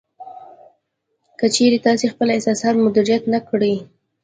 که چېرې تاسې خپل احساسات مدیریت نه کړئ